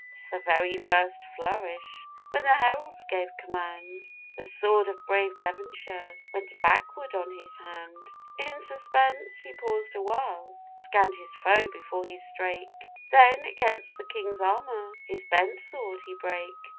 But the very first flourish, when the heralds gave command, The sword of brave Devonshire bent backward on his hand; In suspense he paused awhile, scanned his foe before he strake, Then against the King's armour, his bent sword he brake.